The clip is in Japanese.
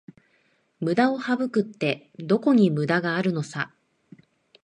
ムダを省くって、どこにムダがあるのさ